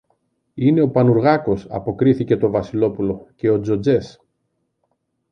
Είναι ο Πανουργάκος, αποκρίθηκε το Βασιλόπουλο, και ο Τζοτζές.